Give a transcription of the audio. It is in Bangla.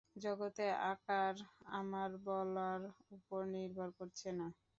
জগতে আকার আমার বলার উপর নির্ভর করছে না।